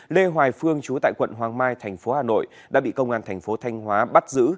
lê hoài phương chú tại quận hoàng mai tp hà nội đã bị công an tp thanh hóa bắt giữ